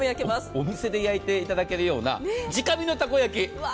お店で焼いていただけるような直火のたこ焼き